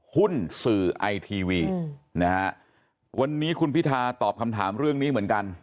หุ้นสื่อไอทีวีนะฮะวันนี้คุณพิธาตอบคำถามเรื่องนี้เหมือนกัน